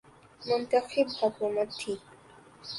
منتخب حکومت تھی۔